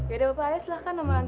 oh wajah banget